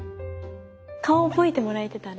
顔覚えてもらえてたら。